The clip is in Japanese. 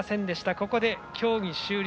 ここで競技終了。